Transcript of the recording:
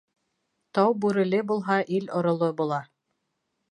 Тау бүреле булһа, ил ороло була.